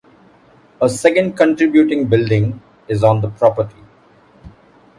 A second contributing building is on the property.